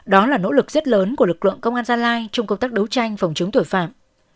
đó là nỗ lực rất lớn của lực lượng công an gia lai trong công tác đấu tranh phòng chống tội phạm